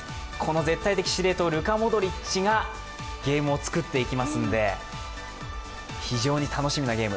絶対的司令塔、ルカ・モドリッチがゲームを作っていきますので非常に楽しみなゲーム。